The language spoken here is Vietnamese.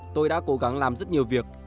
tôi đã cố gắng làm rất nhiều việc